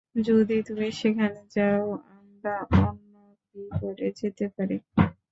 যদি তুমি সেখানে যাও, আমরা অন্য কি করে যেতে পারি?